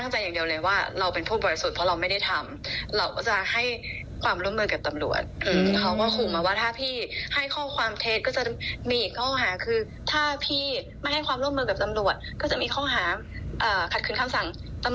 จนพี่นั้นฉันให้ความร่วมมือทุกอย่าง